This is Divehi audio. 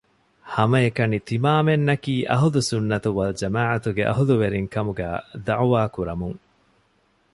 ހަމައެކަނި ތިމާމެންނަކީ އަހުލު ސުއްނަތު ވަލްޖަމާޢަތުގެ އަހުލުވެރިން ކަމުގައި ދަޢުވާ ކުރަމުން